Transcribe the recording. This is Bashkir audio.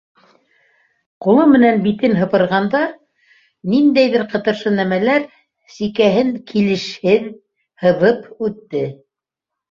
Ҡулы менән битен һыпырғанда ниндәйҙер ҡытыршы нәмәләр сикәһен килешһеҙ һыҙып үтте.